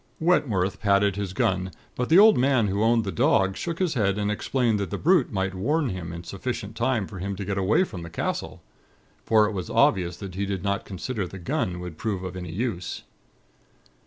Wentworth patted his gun; but the old man who owned the dog shook his head and explained that the brute might warn him in sufficient time for him to get away from the castle. For it was obvious that he did not consider the gun would prove of any use.